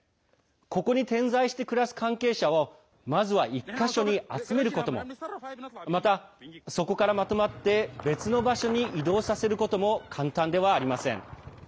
ここに点在して暮らす関係者をまずは１か所に集めることもまた、そこから、まとまって別の場所に移動させることも簡単ではありません。